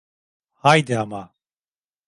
Haydi ama.